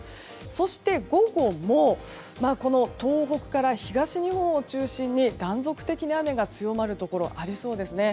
そして、午後も東北から東日本を中心に断続的に雨が強まるところがありそうですね。